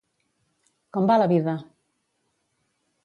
Com va la vida?